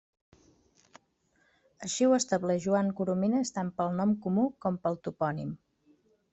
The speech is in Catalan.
Així ho estableix Joan Coromines tant per al nom comú com per al topònim.